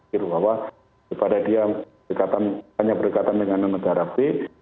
bukan berpikir bahwa kepada dia hanya berdekatan dengan negara b